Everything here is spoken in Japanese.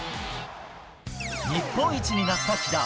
日本一になった木田。